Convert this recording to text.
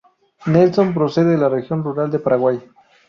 Nelson procede de la región rural de Paraguay.